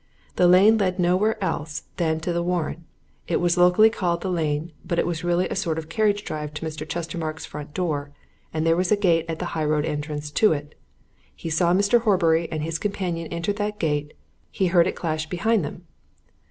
That lane led nowhere else than to the Warren it was locally called the lane, but it was really a sort of carriage drive to Mr. Chestermarke's front door, and there was a gate at the high road entrance to it. He saw Mr. Horbury and his companion enter that gate; he heard it clash behind them.